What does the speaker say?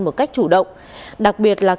một cách chủ động đặc biệt là